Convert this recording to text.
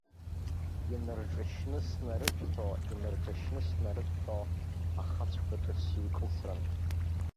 Инарҿшьны снарыҭәҳәо, инарҿшьны снарыҭәҳәо ахацәқәаҿы сыҩкылсрын!